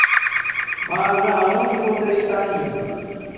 Mas aonde você está indo?